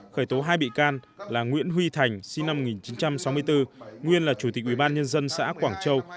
khởi tố hai bị can là nguyễn huy thành sinh năm một nghìn chín trăm sáu mươi bốn nguyên là chủ tịch ủy ban nhân dân xã quảng châu